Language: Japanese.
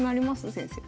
先生。